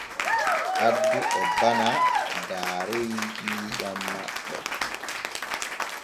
Accu e bana daaroy ƴiiƴam maɓɓe.